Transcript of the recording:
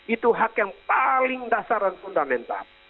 itu hak yang paling dasar dan fundamental